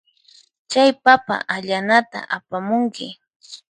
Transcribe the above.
Chay papa allanata apamunki.